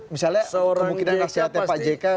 misalnya kemungkinan nasihatnya pak jk